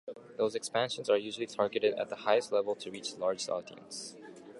Those expansions are usually targeted at the highest level to reach the largest audience.